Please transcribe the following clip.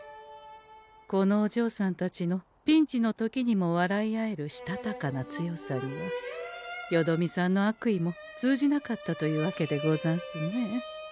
このおじょうさんたちのピンチの時にも笑い合えるしたたかな強さにはよどみさんの悪意も通じなかったというわけでござんすね。